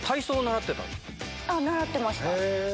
習ってました。